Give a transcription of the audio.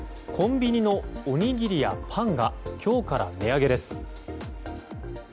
コンビニのおにぎりやパンが今日から値上げです。